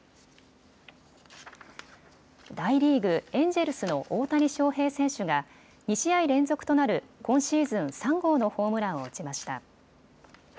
大リーグ、エンジェルスの大谷翔平選手が２試合連続となる今シーズン３号のホームランを打ちました。